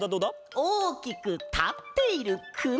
おおきくたっているくま！